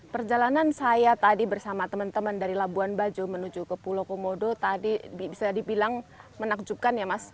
perjalanan saya tadi bersama teman teman dari labuan bajo menuju ke pulau komodo tadi bisa dibilang menakjubkan ya mas